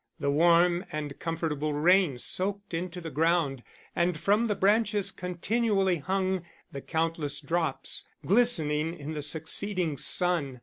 The warm and comfortable rain soaked into the ground; and from the branches continually hung the countless drops, glistening in the succeeding sun.